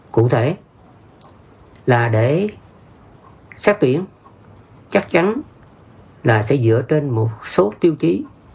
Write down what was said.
cụ thể là để xét tuyển chắc chắn là sẽ dựa trên một số tiêu chí